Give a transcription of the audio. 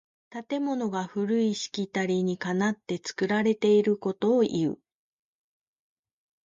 建物が古いしきたりにかなって作られていることをいう。